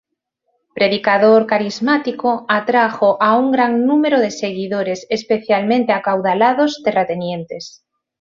Predicador carismático, atrajo a un gran número de seguidores, especialmente acaudalados terratenientes.